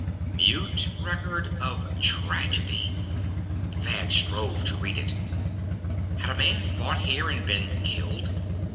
Mute record of tragedy! Thad strove to read it. Had a man fought here and been killed?